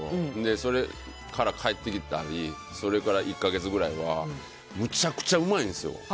それから帰って１か月ぐらいはむちゃくちゃうまいんですよ。